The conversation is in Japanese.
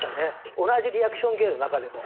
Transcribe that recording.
同じリアクション芸の中でも。